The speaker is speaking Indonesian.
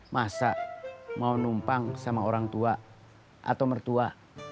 masa mau numpang sama orang tua atau mertua